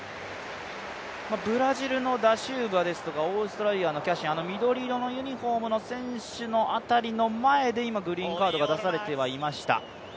ブラジルのダシウバですとか、オーストラリアのキャシン、緑色のユニフォームの選手の辺りの前で今、グリーンカードが出されていました。